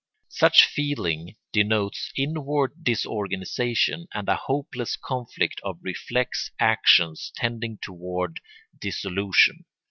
Such feeling denotes inward disorganisation and a hopeless conflict of reflex actions tending toward dissolution.